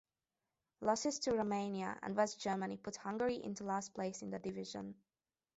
Losses to Romania and West Germany put Hungary into last place in the division.